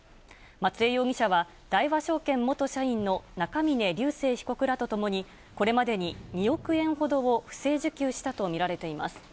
松江容疑者は、大和証券元社員の中峯竜晟被告らと共に、これまでに２億円ほどを不正受給したと見られています。